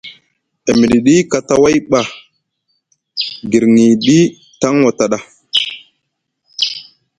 E miɗiɗi kataway ɓa guirŋiɗi taŋ wataɗa?